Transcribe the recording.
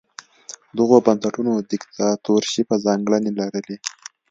دغو بنسټونو دیکتاتورشیپه ځانګړنې لرلې.